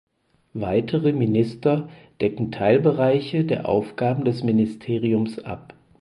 Weitere Minister decken Teilbereiche der Aufgaben des Ministeriums ab.